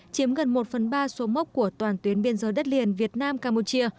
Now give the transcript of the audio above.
chiếm gần một phần ba số mốc của toàn tuyến biên giới đất liền việt nam campuchia